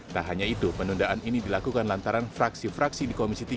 tak hanya itu penundaan ini dilakukan lantaran fraksi fraksi di komisi tiga